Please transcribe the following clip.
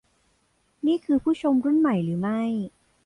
นี่คือผู้ชมรุ่นใหม่หรือไม่